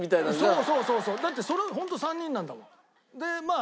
そうそうそうそうだってそれホント３人なんだもん。